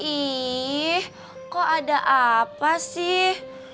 ih kok ada apa sih